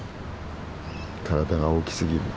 体が大きすぎる。